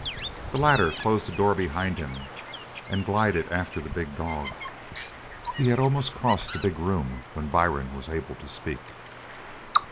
The latter closed the door behind him and glided after the big dog. He had almost crossed the big room when Byrne was able to speak.